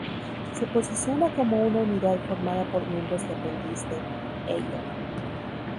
Se posiciona como una unidad formada por miembros de aprendiz de Hello!